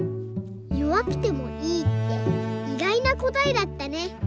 「よわくてもいい」っていがいなこたえだったね。